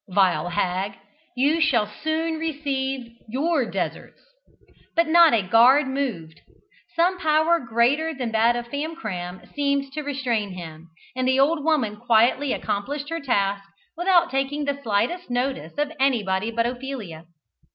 Vile hag, you shall soon receive your deserts." But not a guard moved. Some power greater than that of Famcram seemed to restrain them, and the old woman quietly accomplished her task without taking the slightest notice of anybody but Ophelia.